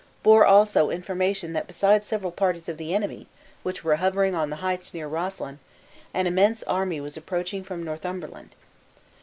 bore also information that besides several parties of the enemy which were hovering on the heights near Roslyn, an immense army was approaching from Northumberland.